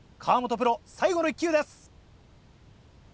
プロ最後の１球です。